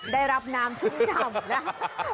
ได้รับน้ำชุ่มฉ่ำนะ